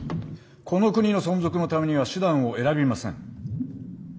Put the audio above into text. この国の存続のためには手段を選びません。